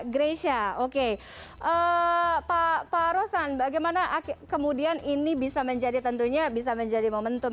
gresha oke pak parosan bagaimana akhir kemudian ini bisa menjadi tentunya bisa menjadi momentum